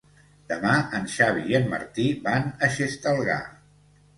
Demà en Xavi i en Martí van a Xestalgar.